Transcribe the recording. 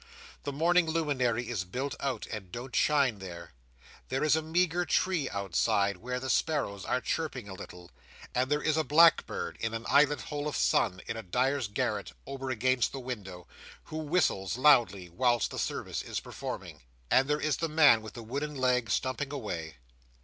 The morning luminary is built out, and don't shine there. There is a meagre tree outside, where the sparrows are chirping a little; and there is a blackbird in an eyelet hole of sun in a dyer's garret, over against the window, who whistles loudly whilst the service is performing; and there is the man with the wooden leg stumping away.